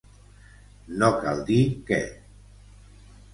No cal dir que.